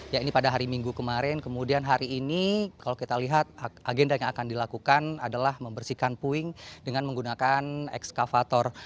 ya ini pada hari minggu kemarin kemudian hari ini kalau kita lihat agenda yang akan dilakukan adalah membersihkan puing dengan menggunakan ekskavator